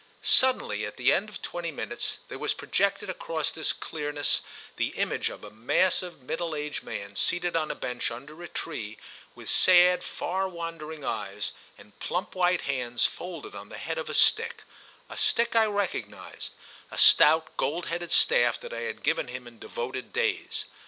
Suddenly, at the end of twenty minutes, there was projected across this clearness the image of a massive middle aged man seated on a bench under a tree, with sad far wandering eyes and plump white hands folded on the head of a stick—a stick I recognised, a stout gold headed staff that I had given him in devoted days.